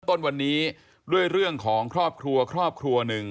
ต้นวันนี้ด้วยเรื่องของครอบครัวครอบครัวหนึ่ง